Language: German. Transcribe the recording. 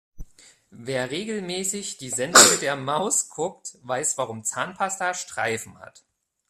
Wer regelmäßig die Sendung mit der Maus guckt, weiß warum Zahnpasta Streifen hat.